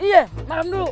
iya maram dulu